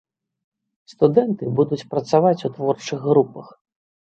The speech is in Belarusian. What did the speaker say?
Студэнты будуць працаваць у творчых групах.